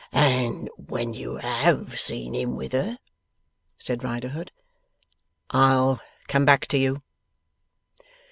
'And when you have seen him with her?' said Riderhood. ' I'll come back to you.